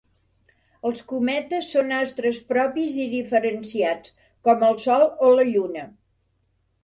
Els cometes són astres propis i diferenciats, com el sol o la lluna.